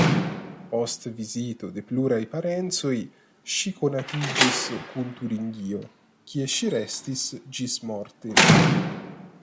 Post vizito de pluraj parencoj ŝi konatiĝis kun Turingio kie ŝi restis ĝismorte.